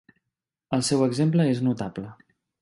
El seu exemple és notable.